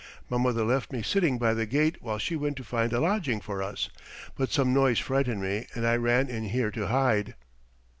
My mother left me sitting by the gate while she went to find a lodging for us, but some noise frightened me, and I ran in here to hide."